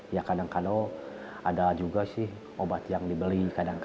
ya kadang kadang ada juga sih obat yang dibeli